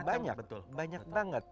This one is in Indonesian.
ada banyak banyak banget